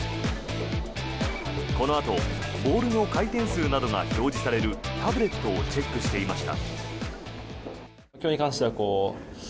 このあと、ボールの回転数などが表示されるタブレットをチェックしていました。